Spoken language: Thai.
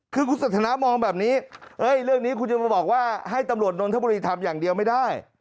คือคุณสันทนามองแบบนี้เรื่องนี้คุณจะมาบอกว่าให้ตำรวจนนทบุรีทำอย่างเดียวไม่ได้